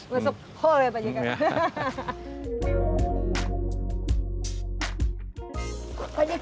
usap hole ya pak jk